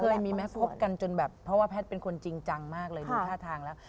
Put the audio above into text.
เคยมีไหมคบกันจนแบบเพราะว่าแพทย์เป็นคนจริงจังมากเลยดูท่าทางแล้ว